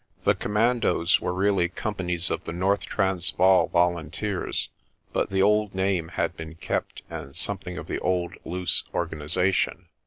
The commandoes 221 222 PRESTER JOHN were really companies of the North Transvaal volunteers, but the old name had been kept and something of the old loose organisation.